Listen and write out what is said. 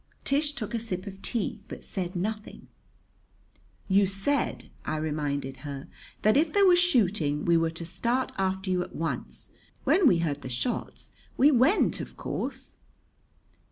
Tish took a sip of tea, but said nothing. "You said," I reminded her, "that if there was shooting, we were to start after you at once. When we heard the shots, we went, of course."